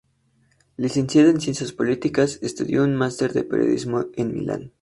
Licenciado en ciencias políticas, estudió un máster de periodismo en Milán.